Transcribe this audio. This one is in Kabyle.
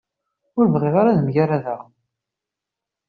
Ur bɣiɣ ara ad mgaradeɣ.